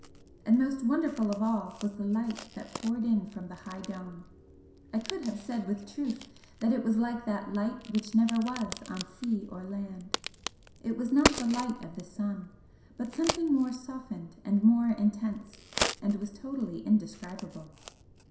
And most wonderful of all was the light, that poured in from the high dome I could have said with truth that it was like that 'light which never was on sea or land.' It was not the light of the sun, but something more softened and more intense, and was totally indescribable.